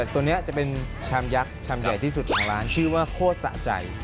ตัวนี้จะเป็นชามยักษ์ชามใหญ่ที่สุดของร้านชื่อว่าโคตรสะใจ